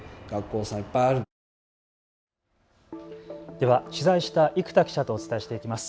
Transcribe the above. では取材した生田記者とお伝えしていきます。